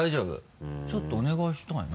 ちょっとお願いしたいな。